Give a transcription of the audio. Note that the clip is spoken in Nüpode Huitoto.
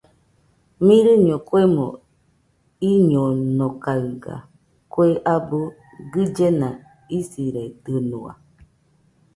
Mɨrɨño kuemo iñonokaiga kue abɨ gɨllena isiredɨnua.